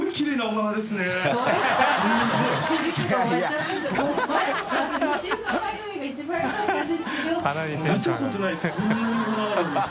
川添Ｄ）見たことないです。